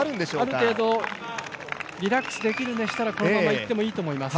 ある程度リラックスできるんでしたら、このままいってもいいと思います。